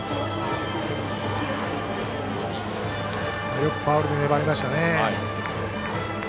よくファウルで粘りましたね。